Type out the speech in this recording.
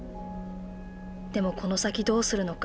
でもこの先どうするのか。